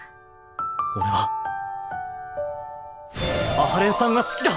俺は阿波連さんが好きだ！